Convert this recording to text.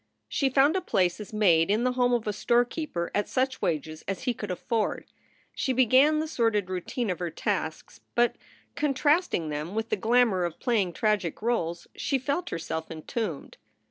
She found a place as maid in the home of a storekeeper at such wages as he could afford. She began the sordid routine of her tasks, but, contrasting them with the glamour of play ing tragic roles, she felt herself entombed.